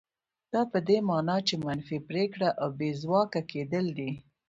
دا په دې مانا چې منفي پرېکړه او بې ځواکه کېدل دي.